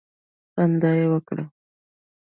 خندا یې وکړه.